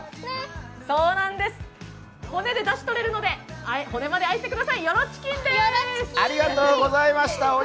そうなんです、骨でだしとれるので、骨まで愛してください。